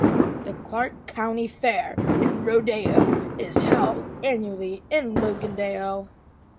The Clark County Fair and Rodeo is held annually in Logandale.